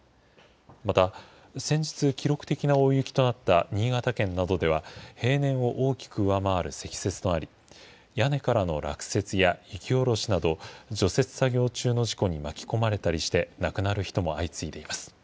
また先日、記録的な大雪となった新潟県などでは、平年を大きく上回る積雪となり、屋根からの落雪や雪下ろしなど、除雪作業中の事故に巻き込まれたりして亡くなる人も相次いでいます。